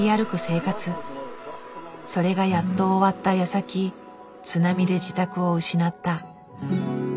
それがやっと終わったやさき津波で自宅を失った。